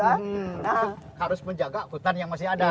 kita harus menjaga hutan yang masih ada